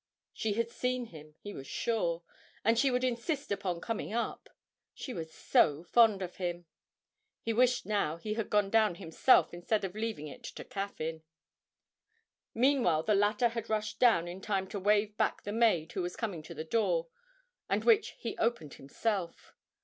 She had seen him, he was sure, and she would insist upon coming up she was so fond of him! He wished now he had gone down himself instead of leaving it to Caffyn. Meanwhile the latter had rushed down in time to wave back the maid who was coming to the door, and which he opened himself.